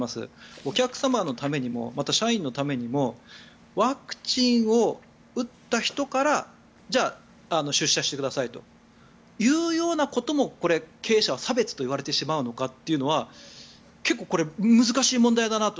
お客様のためにもまた社員のためにもワクチンを打った人からじゃあ、出社してくださいというようなこともこれ、経営者は差別といわれてしまうのかというのは結構これ難しい問題だなと。